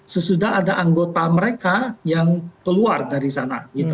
sesudah ada anggota mereka yang keluar dari sana